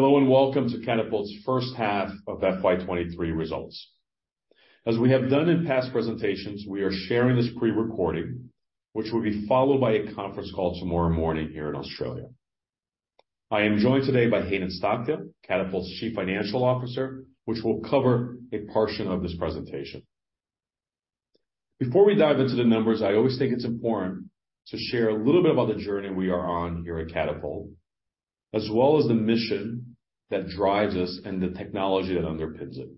Hello and welcome to Catapult's first half of FY 2023 results. As we have done in past presentations, we are sharing this pre-recording, which will be followed by a conference call tomorrow morning here in Australia. I am joined today by Hayden Stockdale, Catapult's Chief Financial Officer, which will cover a portion of this presentation. Before we dive into the numbers, I always think it's important to share a little bit about the journey we are on here at Catapult, as well as the mission that drives us and the technology that underpins it.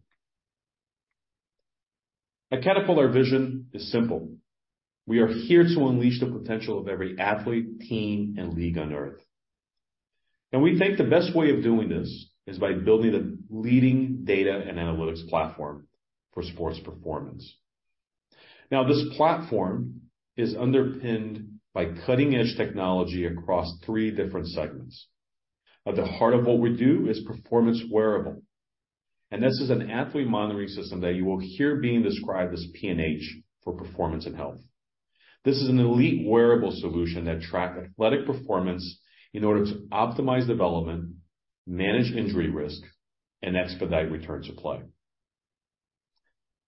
At Catapult, our vision is simple. We are here to unleash the potential of every athlete, team, and league on Earth. We think the best way of doing this is by building the leading data and analytics platform for sports performance. Now, this platform is underpinned by cutting-edge technology across three different segments. At the heart of what we do is performance wearable, and this is an athlete monitoring system that you will hear being described as P&H for performance and health. This is an elite wearable solution that tracks athletic performance in order to optimize development, manage injury risk, and expedite return to play.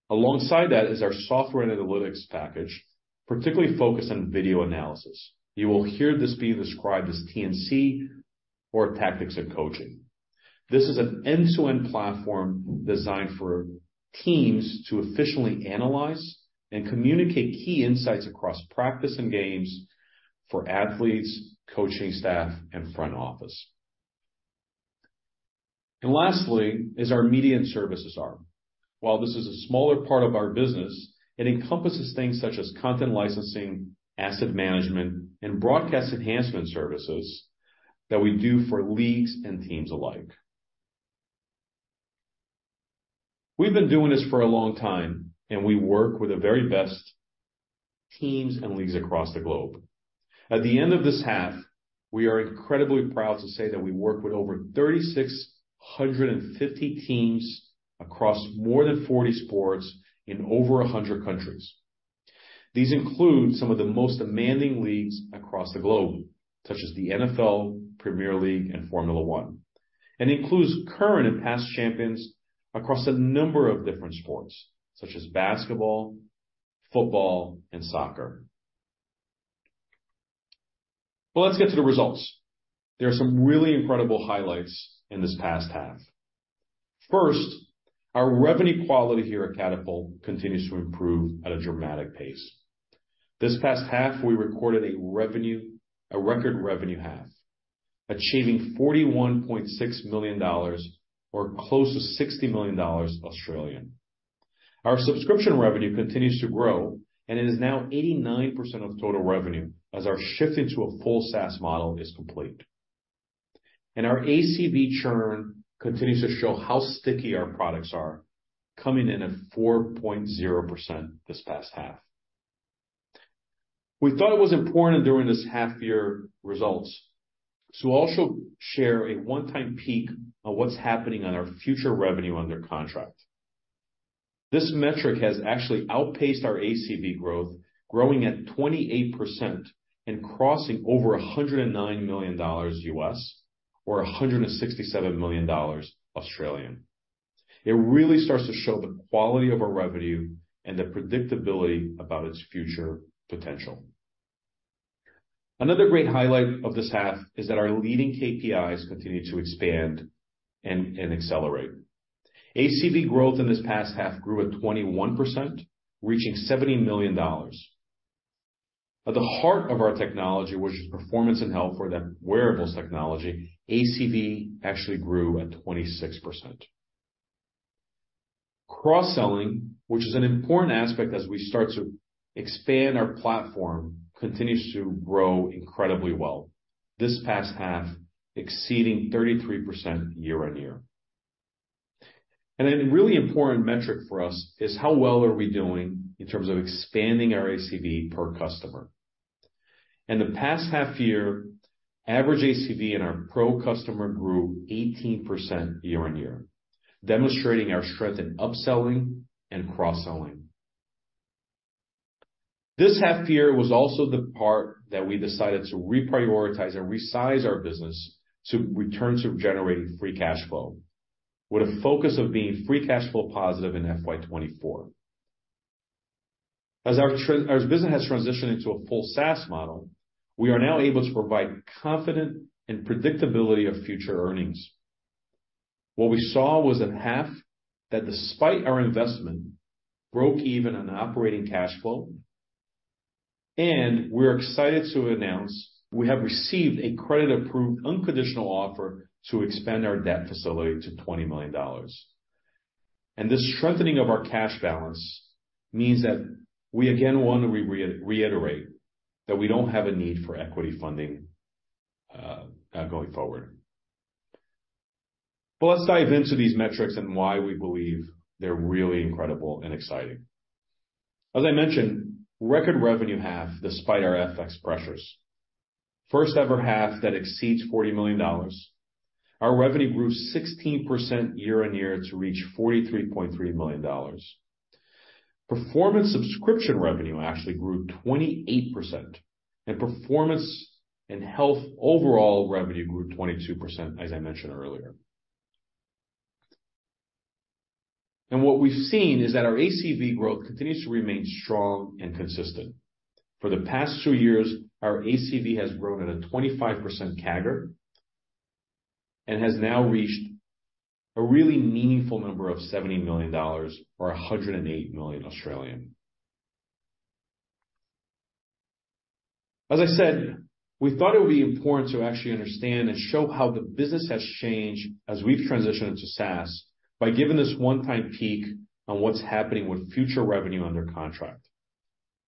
Alongside that is our software and analytics package, particularly focused on video analysis. You will hear this being described as T&C or tactics and coaching. This is an end-to-end platform designed for teams to efficiently analyze and communicate key insights across practice and games for athletes, coaching staff, and front office. Lastly is our media and services arm. While this is a smaller part of our business, it encompasses things such as content licensing, asset management, and broadcast enhancement services that we do for leagues and teams alike. We've been doing this for a long time, and we work with the very best teams and leagues across the globe. At the end of this half, we are incredibly proud to say that we work with over 3,650 teams across more than 40 sports in over 100 countries. These include some of the most demanding leagues across the globe, such as the NFL, Premier League, and Formula One. Includes current and past champions across a number of different sports, such as basketball, football, and soccer. Let's get to the results. There are some really incredible highlights in this past half. First, our revenue quality here at Catapult continues to improve at a dramatic pace. This past half, we recorded a record revenue half, achieving 41.6 million dollars or close to 60 million Australian dollars. Our subscription revenue continues to grow, and it is now 89% of total revenue as our shift into a full SaaS model is complete. Our ACV churn continues to show how sticky our products are, coming in at 4.0% this past half. We thought it was important during this half-year results to also share a one-time peek on what's happening on our future revenue under contract. This metric has actually outpaced our ACV growth, growing at 28% and crossing over $109 million or 167 million Australian dollars. It really starts to show the quality of our revenue and the predictability about its future potential. Another great highlight of this half is that our leading KPIs continue to expand and accelerate. ACV growth in this past half grew at 21%, reaching $70 million. At the heart of our technology, which is performance and health for that wearables technology, ACV actually grew at 26%. Cross-selling, which is an important aspect as we start to expand our platform, continues to grow incredibly well. This past half exceeding 33% year-on-year. Really important metric for us is how well are we doing in terms of expanding our ACV per customer. In the past half year, average ACV in our pro customer grew 18% year-on-year, demonstrating our strength in upselling and cross-selling. This half year was also the part that we decided to reprioritize and resize our business to return to generating free cash flow with a focus of being free cash flow positive in FY 2024. As our business has transitioned into a full SaaS model, we are now able to provide confidence and predictability of future earnings. What we saw was a half that despite our investment broke even on operating cash flow, and we're excited to announce we have received a credit-approved unconditional offer to expand our debt facility to $20 million. This strengthening of our cash balance means that we again want to reiterate that we don't have a need for equity funding going forward. Let's dive into these metrics and why we believe they're really incredible and exciting. As I mentioned, record revenue half despite our FX pressures. First ever half that exceeds $40 million. Our revenue grew 16% year-on-year to reach $43.3 million. Performance subscription revenue actually grew 28%, and performance and health overall revenue grew 22%, as I mentioned earlier. What we've seen is that our ACV growth continues to remain strong and consistent. For the past two years, our ACV has grown at a 25% CAGR and has now reached a really meaningful number of $70 million or 108 million. As I said, we thought it would be important to actually understand and show how the business has changed as we've transitioned into SaaS by giving this one-time peek on what's happening with future revenue under contract.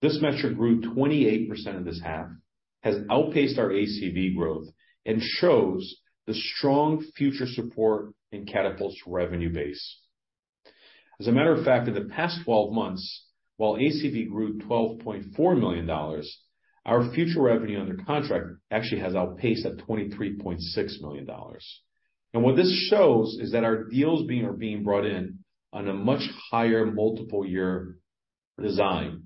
This metric grew 28% in this half, has outpaced our ACV growth and shows the strong future support in Catapult's revenue base. As a matter of fact, in the past 12 months, while ACV grew $12.4 million, our future revenue under contract actually has outpaced at $23.6 million. What this shows is that our deals are being brought in on a much higher multi-year design.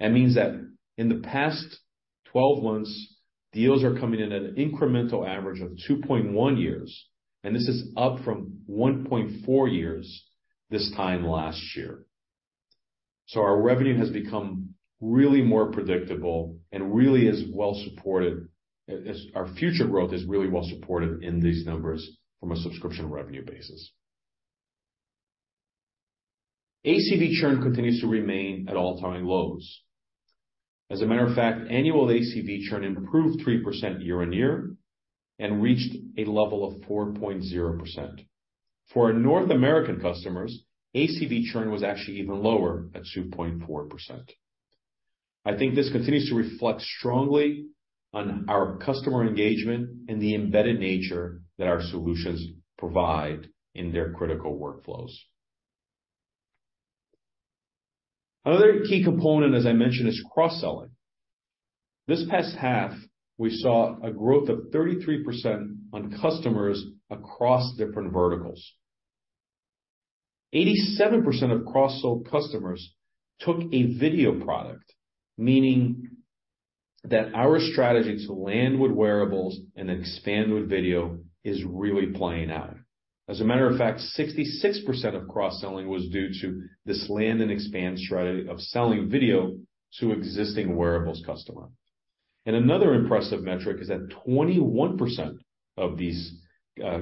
That means that in the past 12 months, deals are coming in at an incremental average of 2.1 years, and this is up from 1.4 years this time last year. Our revenue has become really more predictable and really is well supported. As our future growth is really well supported in these numbers from a subscription revenue basis. ACV churn continues to remain at all-time lows. As a matter of fact, annual ACV churn improved 3% year-on-year and reached a level of 4.0%. For our North American customers, ACV churn was actually even lower at 2.4%. I think this continues to reflect strongly on our customer engagement and the embedded nature that our solutions provide in their critical workflows. Another key component, as I mentioned, is cross-selling. This past half, we saw a growth of 33% on customers across different verticals. 87% of cross-sold customers took a video product, meaning that our strategy to land with wearables and then expand with video is really playing out. As a matter of fact, 66% of cross-selling was due to this land and expand strategy of selling video to existing wearables customer. Another impressive metric is that 21% of these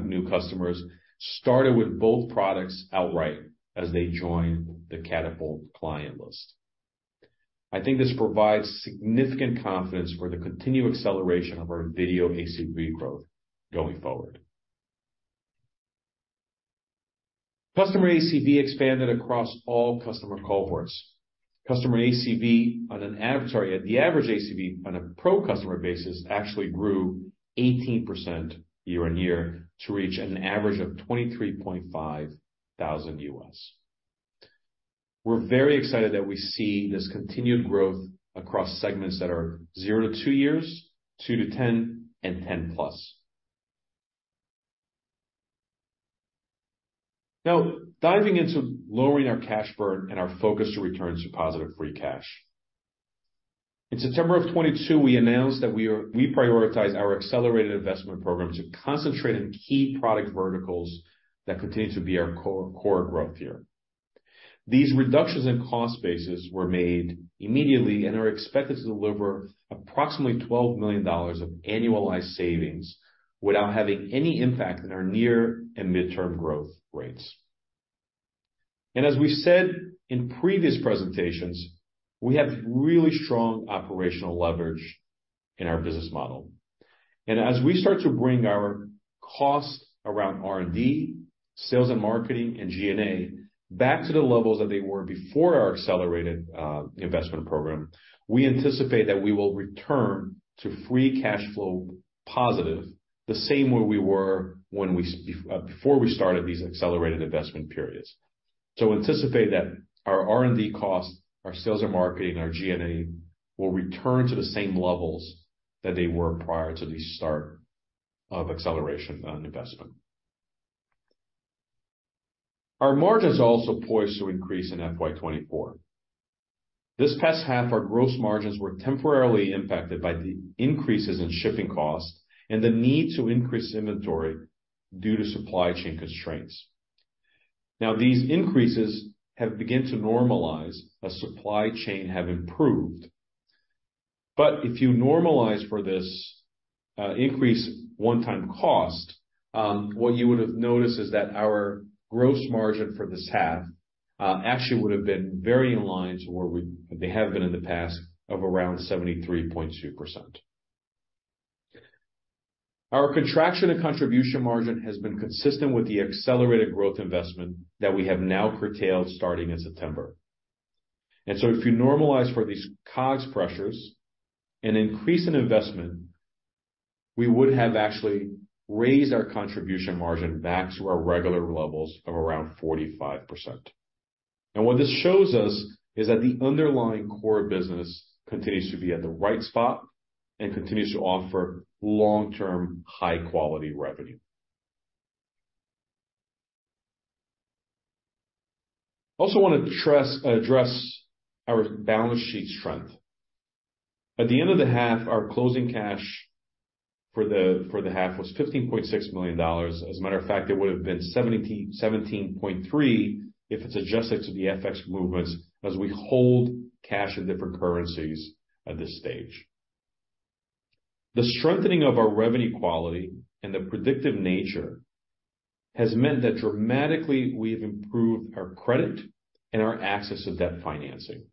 new customers started with both products outright as they join the Catapult client list. I think this provides significant confidence for the continued acceleration of our video ACV growth going forward. Customer ACV expanded across all customer cohorts. The average ACV on a pro customer basis actually grew 18% year-on-year to reach an average of $23,500. We're very excited that we see this continued growth across segments that are zero to two years, two to 10, and 10+. Now, diving into lowering our cash burn and our focus to return to positive free cash. In September of 2022, we announced that we prioritize our accelerated investment program to concentrate on key product verticals that continue to be our core growth here. These reductions in cost bases were made immediately and are expected to deliver approximately $12 million of annualized savings without having any impact in our near and midterm growth rates. As we said in previous presentations, we have really strong operational leverage in our business model. As we start to bring our costs around R&D, sales and marketing and G&A back to the levels that they were before our accelerated investment program, we anticipate that we will return to free cash flow positive the same way we were before we started these accelerated investment periods. Anticipate that our R&D costs, our sales and marketing, our G&A, will return to the same levels that they were prior to the start of acceleration on investment. Our margins are also poised to increase in FY 2024. This past half, our gross margins were temporarily impacted by the increases in shipping costs and the need to increase inventory due to supply chain constraints. Now, these increases have begun to normalize as supply chain have improved. If you normalize for this increased one-time cost, what you would have noticed is that our gross margin for this half actually would have been very in line with where they have been in the past of around 73.2%. Our contribution margin has been consistent with the accelerated growth investment that we have now curtailed starting in September. If you normalize for these COGS pressures and increase in investment, we would have actually raised our contribution margin back to our regular levels of around 45%. What this shows us is that the underlying core business continues to be at the right spot and continues to offer long-term, high-quality revenue. Also want to address our balance sheet strength. At the end of the half, our closing cash for the half was $15.6 million. As a matter of fact, it would have been $17.3 if it's adjusted to the FX movements as we hold cash in different currencies at this stage. The strengthening of our revenue quality and the predictive nature has meant that dramatically we have improved our credit and our access to debt financing.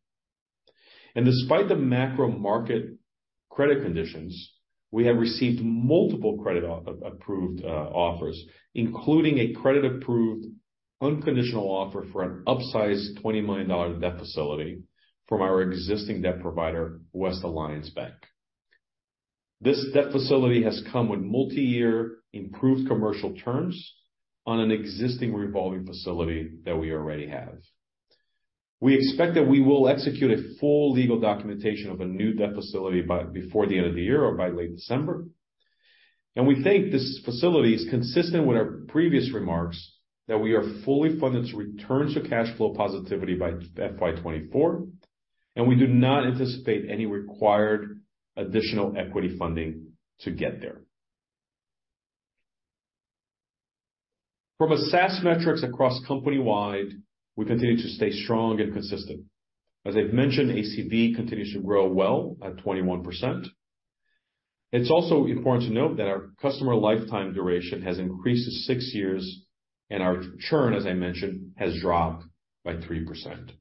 Despite the macro market credit conditions, we have received multiple credit-approved offers, including a credit-approved unconditional offer for an upsized $20 million debt facility from our existing debt provider, Western Alliance Bank. This debt facility has come with multi-year improved commercial terms on an existing revolving facility that we already have. We expect that we will execute a full legal documentation of a new debt facility before the end of the year or by late December. We think this facility is consistent with our previous remarks that we are fully funded to return to cash flow positivity by FY 2024, and we do not anticipate any required additional equity funding to get there. From a SaaS metrics across company-wide, we continue to stay strong and consistent. As I've mentioned, ACV continues to grow well at 21%. It's also important to note that our customer lifetime duration has increased to six years, and our churn, as I mentioned, has dropped by 3%.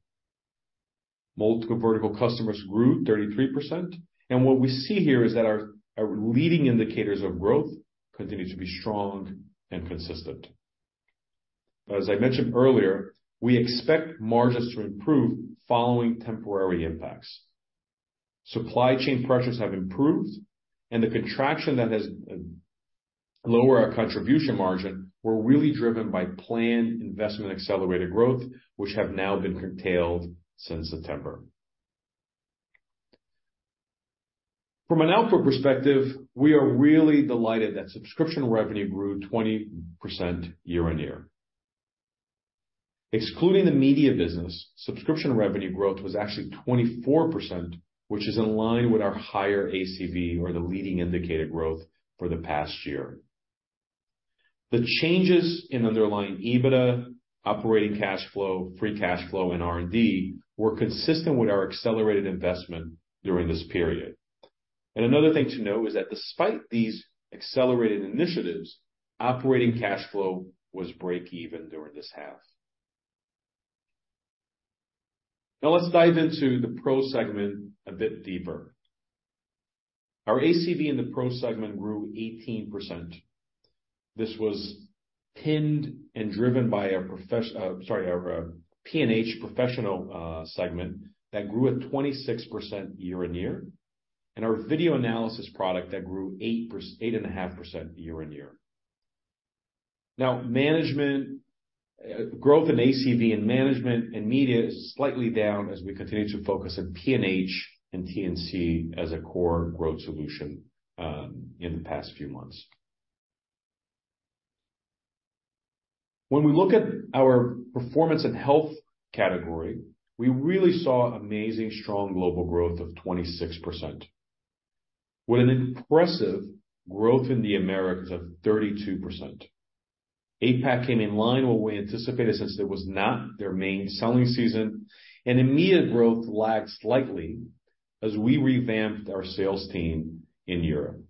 Multiple vertical customers grew 33%. What we see here is that our leading indicators of growth continue to be strong and consistent. As I mentioned earlier, we expect margins to improve following temporary impacts. Supply chain pressures have improved and the contraction that has lowered our contribution margin were really driven by planned investment accelerated growth, which have now been curtailed since September. From an outlook perspective, we are really delighted that subscription revenue grew 20% year-on-year. Excluding the media business, subscription revenue growth was actually 24%, which is in line with our higher ACV our leading indicator growth for the past year. The changes in underlying EBITDA, operating cash flow, free cash flow, and R&D were consistent with our accelerated investment during this period. Another thing to note is that despite these accelerated initiatives, operating cash flow was break-even during this half. Now let's dive into the Pro segment a bit deeper. Our ACV in the Pro segment grew 18%. This was pinned and driven by our P&H professional segment that grew at 26% year-on-year, and our video analysis product that grew 8.5% year-on-year. Management growth in ACV and management and media is slightly down as we continue to focus on P&H and T&C as a core growth solution in the past few months. When we look at our performance and health category, we really saw amazingly strong global growth of 26%. With an impressive growth in the Americas of 32%. APAC came in line with what we anticipated since that was not their main selling season. EMEA growth lagged slightly as we revamped our sales team in Europe.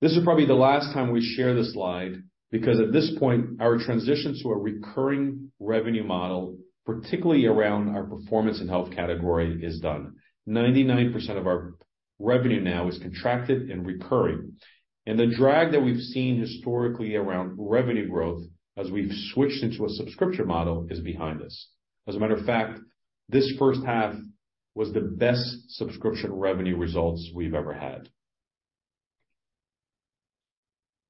This is probably the last time we share this slide, because at this point, our transition to a recurring revenue model, particularly around our Performance & Health category, is done. 99% of our revenue now is contracted and recurring, and the drag that we've seen historically around revenue growth as we've switched into a subscription model is behind us. As a matter of fact, this first half was the best subscription revenue results we've ever had.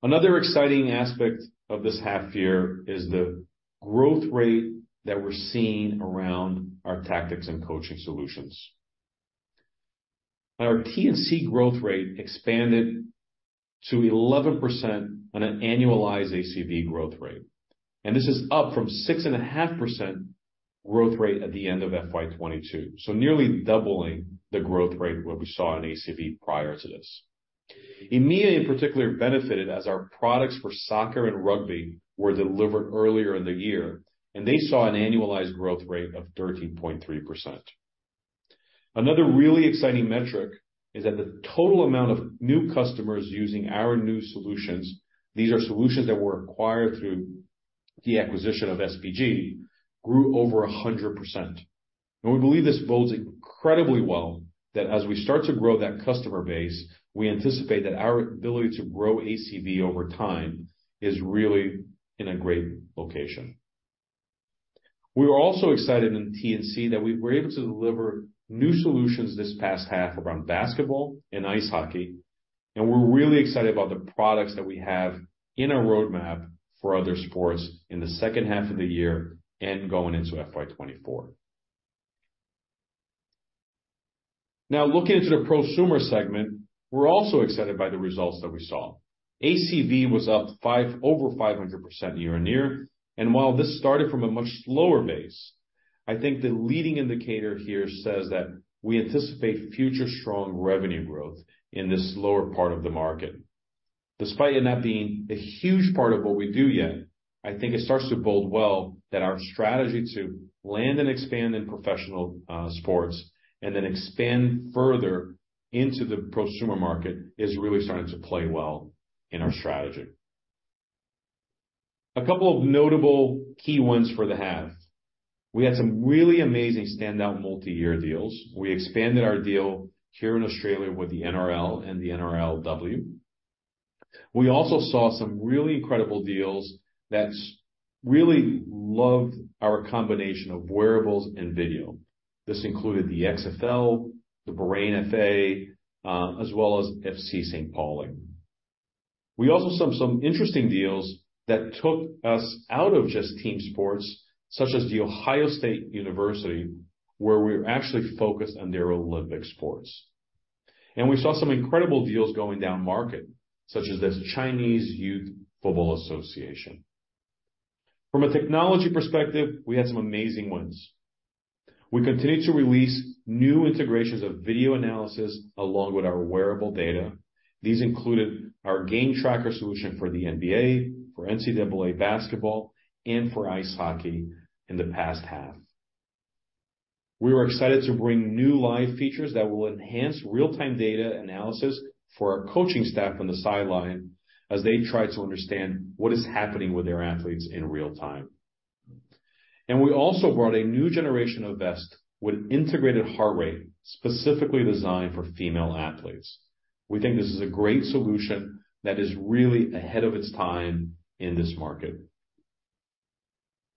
Another exciting aspect of this half year is the growth rate that we're seeing around our Tactics & Coaching solutions. Our T&C growth rate expanded to 11% on an annualized ACV growth rate, and this is up from 6.5% growth rate at the end of FY 2022. Nearly doubling the growth rate what we saw in ACV prior to this. EMEA in particular benefited as our products for soccer and rugby were delivered earlier in the year, and they saw an annualized growth rate of 13.3%. Another really exciting metric is that the total amount of new customers using our new solutions, these are solutions that were acquired through the acquisition of SBG, grew over 100%. We believe this bodes incredibly well that as we start to grow that customer base, we anticipate that our ability to grow ACV over time is really in a great location. We were also excited in T&C that we were able to deliver new solutions this past half around basketball and ice hockey, and we're really excited about the products that we have in our roadmap for other sports in the second half of the year and going into FY 2024. Now looking into the prosumer segment, we're also excited by the results that we saw. ACV was up over 500% year-on-year, and while this started from a much slower base, I think the leading indicator here says that we anticipate future strong revenue growth in this lower part of the market. Despite it not being a huge part of what we do yet, I think it starts to bode well that our strategy to land and expand in professional sports and then expand further into the prosumer market is really starting to play well in our strategy. A couple of notable key wins for the half. We had some really amazing standout multi-year deals. We expanded our deal here in Australia with the NRL and the NRLW. We also saw some really incredible deals that really love our combination of wearables and video. This included the XFL, the Bahrain FA, as well as FC St. Pauli. We also saw some interesting deals that took us out of just team sports, such as the Ohio State University, where we're actually focused on their Olympic sports. We saw some incredible deals going down market, such as this Chinese Youth Football Association. From a technology perspective, we had some amazing wins. We continued to release new integrations of video analysis along with our wearable data. These included our GameTracker solution for the NBA, for NCAA basketball, and for ice hockey in the past half. We were excited to bring new live features that will enhance real-time data analysis for our coaching staff on the sideline as they try to understand what is happening with their athletes in real time. We also brought a new generation of vest with integrated heart rate, specifically designed for female athletes. We think this is a great solution that is really ahead of its time in this market.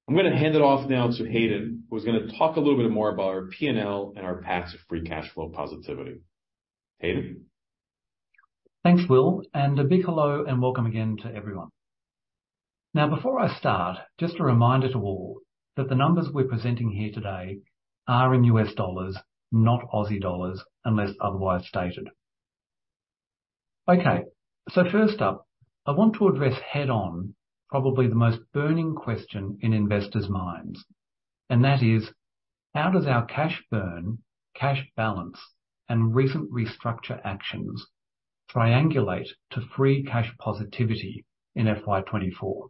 I'm gonna hand it off now to Hayden, who's gonna talk a little bit more about our P&L and our path to free cash flow positivity. Hayden. Thanks, Will, and a big hello and welcome again to everyone. Now, before I start, just a reminder to all that the numbers we're presenting here today are in U.S. dollars, not Aussie dollars, unless otherwise stated. Okay. First up, I want to address head-on probably the most burning question in investors' minds, and that is, How does our cash burn, cash balance, and recent restructure actions triangulate to free cash positivity in FY 2024?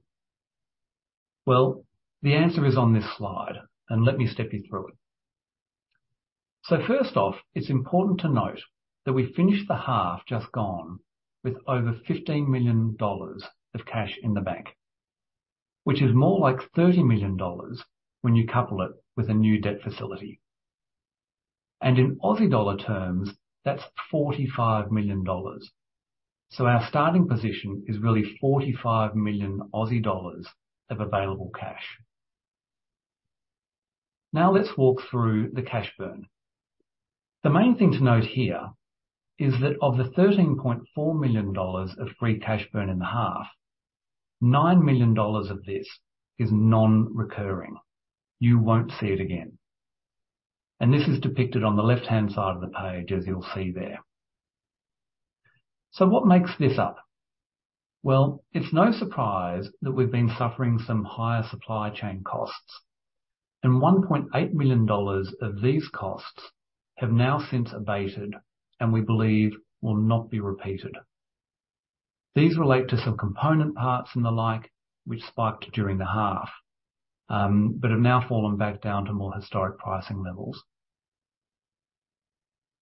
Well, the answer is on this slide, and let me step you through it. First off, it's important to note that we finished the half just gone with over $15 million of cash in the bank, which is more like $30 million when you couple it with a new debt facility. In Aussie dollar terms, that's 45 million dollars. Our starting position is really 45 million Aussie dollars of available cash. Now let's walk through the cash burn. The main thing to note here is that of the $13.4 million of free cash burn in the half, $9 million of this is non-recurring. You won't see it again. This is depicted on the left-hand side of the page, as you'll see there. What makes this up? Well, it's no surprise that we've been suffering some higher supply chain costs, and $1.8 million of these costs have now since abated, and we believe will not be repeated. These relate to some component parts and the like, which spiked during the half, but have now fallen back down to more historic pricing levels.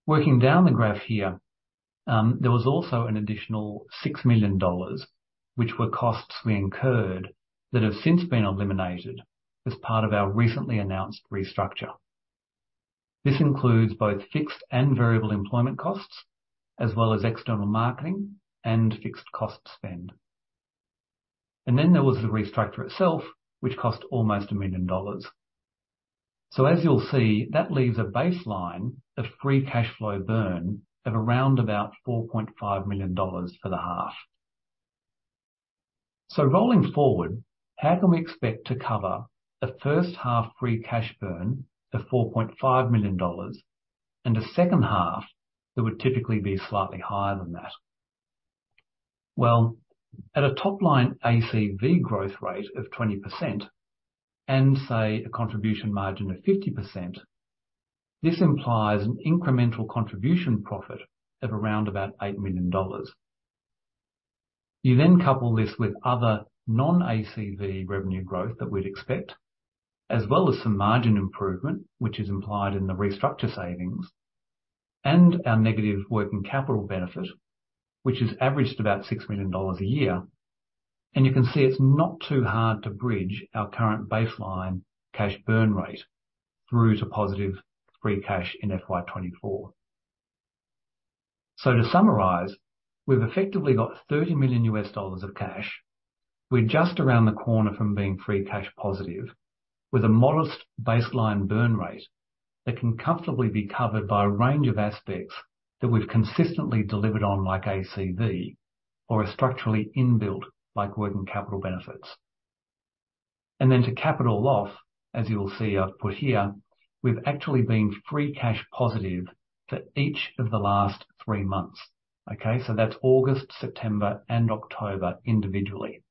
Working down the graph here, there was also an additional $6 million, which were costs we incurred that have since been eliminated as part of our recently announced restructure. This includes both fixed and variable employment costs, as well as external marketing and fixed cost spend. Then there was the restructure itself, which cost almost $1 million. As you'll see, that leaves a baseline of free cash flow burn of around about $4.5 million for the half. Rolling forward, how can we expect to cover a first-half free cash burn of $4.5 million and a second half that would typically be slightly higher than that? Well, at a top-line ACV growth rate of 20% and, say, a contribution margin of 50%, this implies an incremental contribution profit of around about $8 million. You then couple this with other non-ACV revenue growth that we'd expect, as well as some margin improvement, which is implied in the restructure savings, and our negative working capital benefit, which has averaged about $6 million a year. You can see it's not too hard to bridge our current baseline cash burn rate through to positive free cash in FY 2024. To summarize, we've effectively got $30 million of cash. We're just around the corner from being free cash positive with a modest baseline burn rate that can comfortably be covered by a range of aspects that we've consistently delivered on, like ACV or a structurally inbuilt like working capital benefits. To cap it all off, as you will see I've put here, we've actually been free cash positive for each of the last three months. Okay? That's August, September and October individually.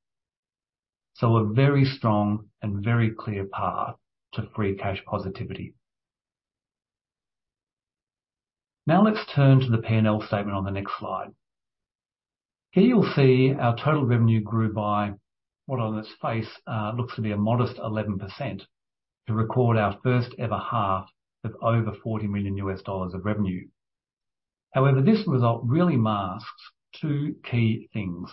A very strong and very clear path to free cash positivity. Now let's turn to the P&L statement on the next slide. Here you'll see our total revenue grew by what on its face looks to be a modest 11% to record our first ever half of over $40 million of revenue. However, this result really masks two key things.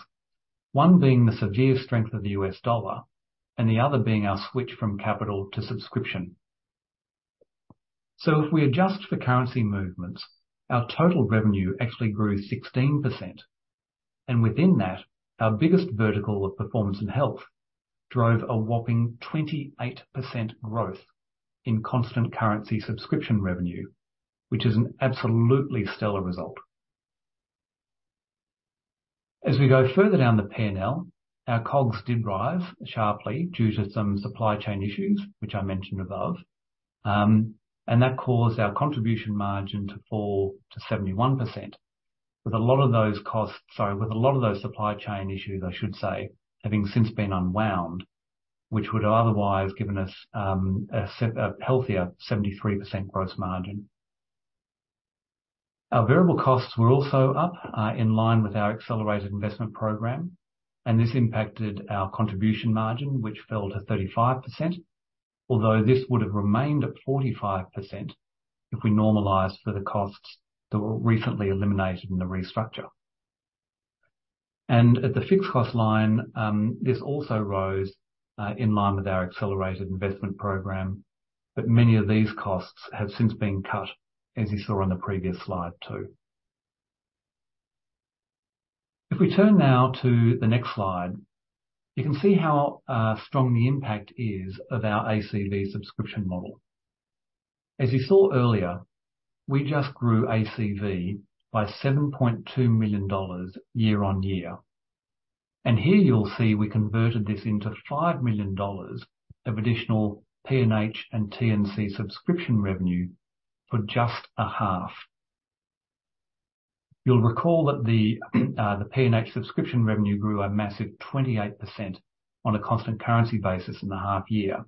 One being the severe strength of the U.S. dollar and the other being our switch from capital to subscription. If we adjust for currency movements, our total revenue actually grew 16%, and within that, our biggest vertical of Performance & Health drove a whopping 28% growth in constant currency subscription revenue, which is an absolutely stellar result. As we go further down the P&L, our COGS did rise sharply due to some supply chain issues which I mentioned above. That caused our contribution margin to fall to 71%. With a lot of those supply chain issues, I should say, having since been unwound, which would have otherwise given us a healthier 73% gross margin. Our variable costs were also up in line with our accelerated investment program, and this impacted our contribution margin, which fell to 35%, although this would have remained at 45% if we normalized for the costs that were recently eliminated in the restructure. At the fixed cost line, this also rose in line with our accelerated investment program, but many of these costs have since been cut, as you saw on the previous slide too. If we turn now to the next slide, you can see how strong the impact is of our ACV subscription model. As you saw earlier, we just grew ACV by $7.2 million year-over-year. Here you'll see we converted this into $5 million of additional P&H and T&C subscription revenue for just a half. You'll recall that the P&H subscription revenue grew a massive 28% on a constant currency basis in the half year.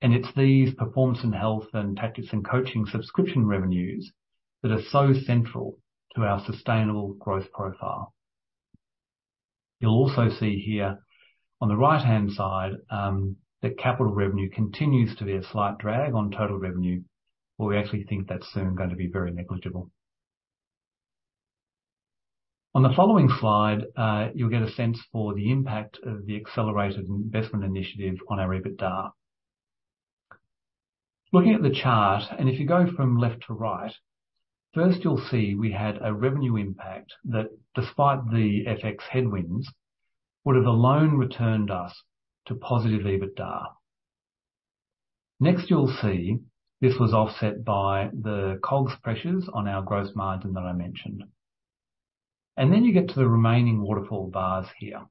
It's these Performance & Health and Tactics & Coaching subscription revenues that are so central to our sustainable growth profile. You'll also see here on the right-hand side, that capital revenue continues to be a slight drag on total revenue, but we actually think that's soon going to be very negligible. On the following slide, you'll get a sense for the impact of the accelerated investment initiative on our EBITDA. Looking at the chart, and if you go from left to right, first you'll see we had a revenue impact that, despite the FX headwinds, would have alone returned us to positive EBITDA. Next you'll see this was offset by the COGS pressures on our gross margin that I mentioned. Then you get to the remaining waterfall bars here.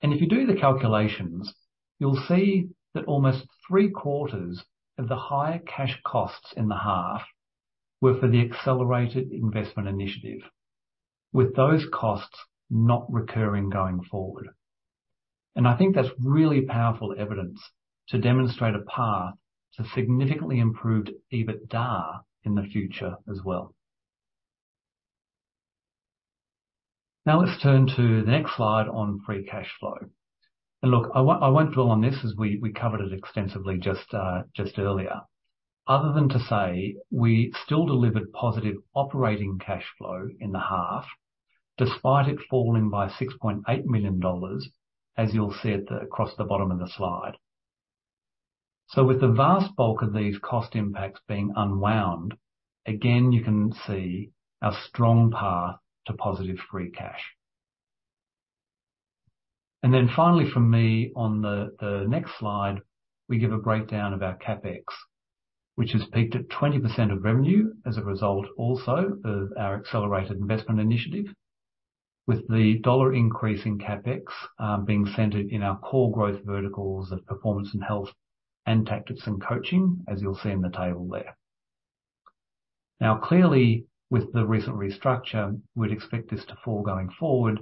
If you do the calculations, you'll see that almost 3/4 of the higher cash costs in the half were for the accelerated investment initiative, with those costs not recurring going forward. I think that's really powerful evidence to demonstrate a path to significantly improved EBITDA in the future as well. Now let's turn to the next slide on free cash flow. Look, I won't dwell on this as we covered it extensively just earlier. Other than to say we still delivered positive operating cash flow in the half despite it falling by $6.8 million, as you'll see across the bottom of the slide. With the vast bulk of these cost impacts being unwound, again, you can see a strong path to positive free cash. Finally from me on the next slide, we give a breakdown of our CapEx, which has peaked at 20% of revenue as a result also of our accelerated investment initiative, with the dollar increase in CapEx being centered in our core growth verticals of Performance & Health and Tactics & Coaching, as you'll see in the table there. Now, clearly with the recent restructure, we'd expect this to fall going forward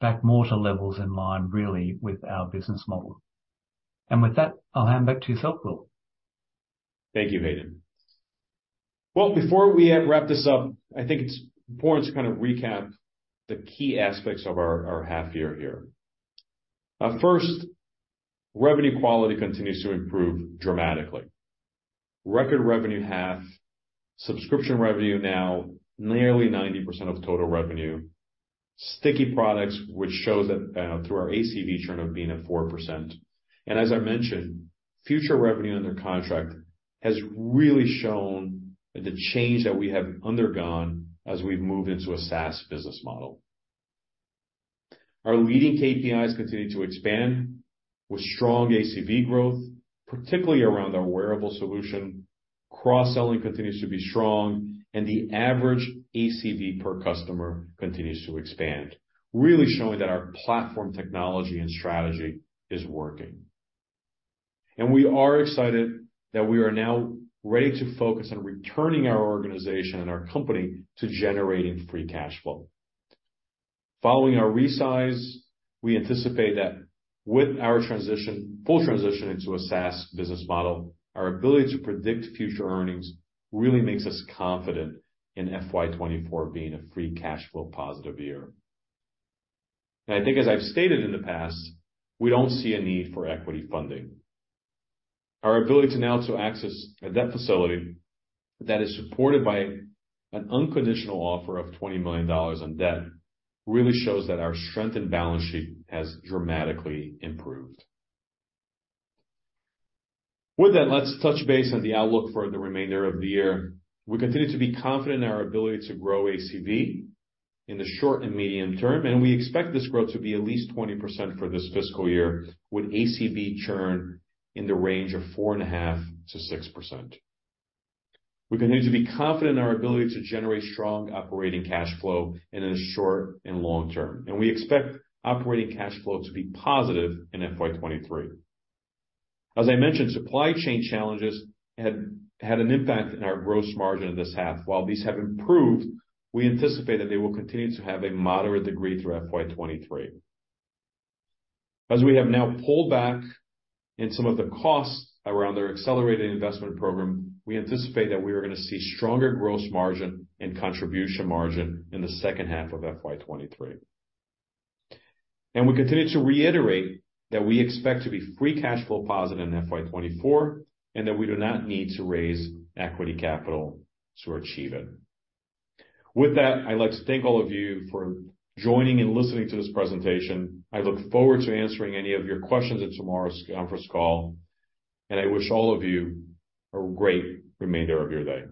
back more to levels in line really with our business model. With that, I'll hand back to you, Will. Thank you, Hayden. Well, before we wrap this up, I think it's important to kind of recap the key aspects of our half year here. First, revenue quality continues to improve dramatically. Record revenue half, subscription revenue now nearly 90% of total revenue. Sticky products, which shows that through our ACV churn of being at 4%. As I mentioned, future revenue under contract has really shown the change that we have undergone as we've moved into a SaaS business model. Our leading KPIs continue to expand with strong ACV growth, particularly around our wearable solution. Cross-selling continues to be strong, and the average ACV per customer continues to expand, really showing that our platform technology and strategy is working. We are excited that we are now ready to focus on returning our organization and our company to generating free cash flow. Following our resize, we anticipate that with our transition, full transition into a SaaS business model, our ability to predict future earnings really makes us confident in FY 2024 being a free cash flow positive year. I think as I've stated in the past, we don't see a need for equity funding. Our ability to now access a debt facility that is supported by an unconditional offer of $20 million in debt really shows that our strength and balance sheet has dramatically improved. With that, let's touch base on the outlook for the remainder of the year. We continue to be confident in our ability to grow ACV in the short and medium term, and we expect this growth to be at least 20% for this fiscal year, with ACV churn in the range of 4.5%-6%. We continue to be confident in our ability to generate strong operating cash flow in the short and long term, and we expect operating cash flow to be positive in FY 2023. As I mentioned, supply chain challenges had an impact in our gross margin this half. While these have improved, we anticipate that they will continue to have a moderate degree through FY 2023. As we have now pulled back in some of the costs around our accelerated investment program, we anticipate that we are gonna see stronger gross margin and contribution margin in the second half of FY 2023. We continue to reiterate that we expect to be free cash flow positive in FY 2024, and that we do not need to raise equity capital to achieve it. With that, I'd like to thank all of you for joining and listening to this presentation. I look forward to answering any of your questions in tomorrow's conference call, and I wish all of you a great remainder of your day.